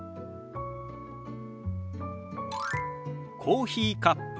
「コーヒーカップ」。